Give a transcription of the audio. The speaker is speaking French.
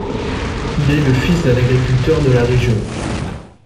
Il est le fils d'un agriculteur de la région.